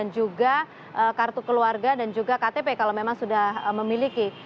juga kartu keluarga dan juga ktp kalau memang sudah memiliki